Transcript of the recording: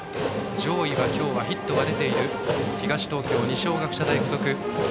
上位は今日はヒットが出ている東東京・二松学舎大付属。